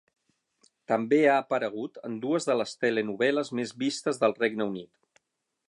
També ha aparegut en dues de les telenovel·les més vistes del Regne Unit.